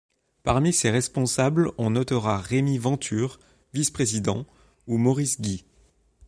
Parmi ses responsables on notera Remi Venture, vice-président, ou Maurice Guis.